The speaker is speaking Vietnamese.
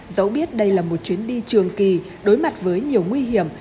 dẫu biết đây là một chuyến đi trường kỳ đối mặt với nhiều nguy hiểm